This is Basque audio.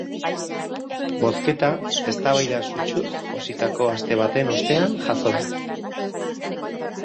Bozketa, eztabaida sutsuz jositako aste baten ostean jazo da.